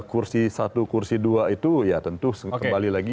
kursi satu kursi dua itu ya tentu kembali lagi